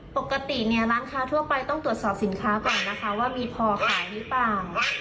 ปกติเนี่ยร้านค้าทั่วไปต้องตรวจสอบสินค้าก่อนนะคะว่ามีพอขายหรือเปล่า